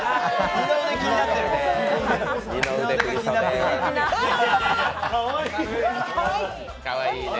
二の腕気になってるのね。